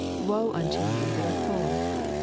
... Woe unto you that are full. ■